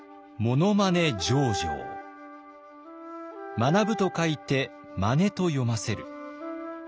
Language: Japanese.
「学ぶ」と書いて「まね」と読ませる。